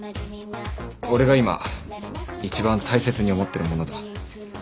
俺が今一番大切に思ってるものだ。